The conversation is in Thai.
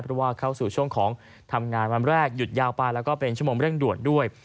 เพราะว่าเข้าสู่ช่วงของทำงานวันแรกหยุดยาวไปแล้วก็เป็นชั่วโมงเร่งด่วนด้วย